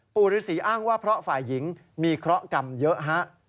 ฤษีอ้างว่าเพราะฝ่ายหญิงมีเคราะห์กรรมเยอะฮะ